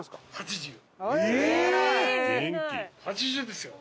８０ですよ。